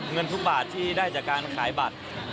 เงินทุกบาทที่ได้จากการขายบัตร